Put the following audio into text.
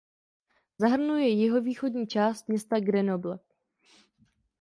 Zahrnuje jihovýchodní část města Grenoble.